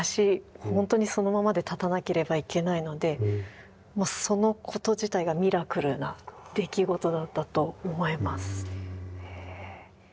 本当にそのままで立たなければいけないのでもうそのこと自体がミラクルな出来事だったと思います。